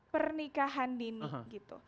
pernikahan dini gitu